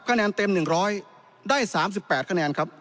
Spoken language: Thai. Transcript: คะแนนเต็ม๑๐๐ได้๓๘คะแนนครับ